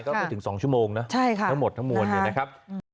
ก็ถึง๒ชั่วโมงนะใช่ค่ะทั้งหมดทั้งมวลนะครับ